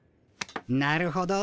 なるほど。